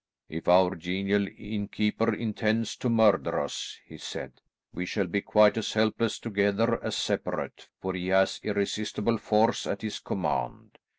"If our genial innkeeper intends to murder us," he said, "we shall be quite as helpless together as separate, for he has irresistible force at his command.